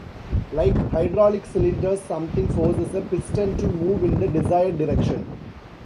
Like hydraulic cylinders, something forces a piston to move in the desired direction.